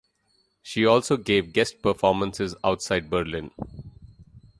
She also gave guest performances outside Berlin.